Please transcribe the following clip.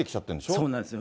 そうなんですよ。